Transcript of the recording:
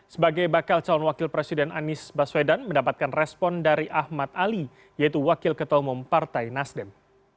sebagai bakal calon wakil presiden anies baswedan mendapatkan respon dari ahmad ali yaitu wakil ketua umum partai nasdem